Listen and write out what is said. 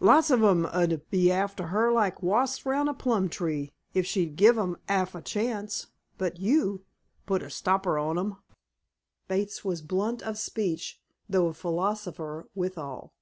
"Lots of 'em 'ud be after her like wasps round a plum tree if she'd give 'em 'alf a chance. But you put a stopper on 'em." Bates was blunt of speech, though a philosopher withal.